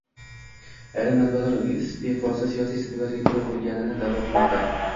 Ayrim manbalar uning iste'fosi siyosiy sabablarga ko'ra bo'lganini da'vo qilmoqda